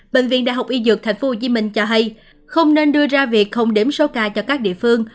bệnh viện đại học y dược tp hcm cho hay không nên đưa ra việc không đếm số ca cho các địa phương